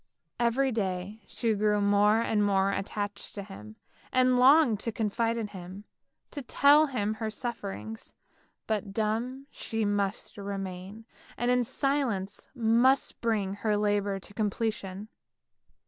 Every day she grew more and more attached to him, and longed to confide in him, tell him her sufferings ; but dumb she must remain, and in silence must bring her labour to completion.